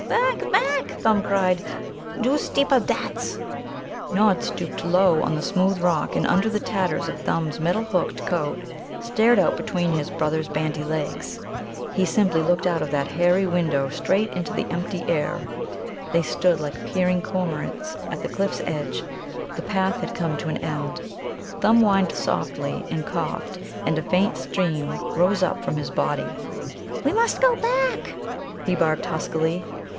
"Back, back!" Thumb cried; "du steepa datz." Nod stooped low on the smooth rock, and under the tatters of Thumb's metal hooked coat stared out between his brother's bandy legs. He simply looked out of that hairy window straight into the empty air. They stood like peering cormorants at the cliff's edge. The path had come to an end. Thumb whined softly and coughed, and a faint steam rose up from his body. "We must go back," he barked huskily.